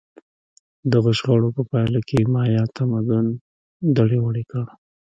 دغو شخړو په پایله کې مایا تمدن دړې وړې کړ